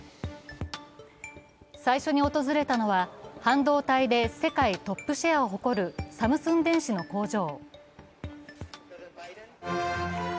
最初に訪れたのは半導体で世界トップシェアを誇るサムスン電子の工場。